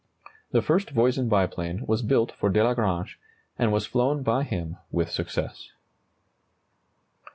The first Voisin biplane was built for Delagrange, and was flown by him with success.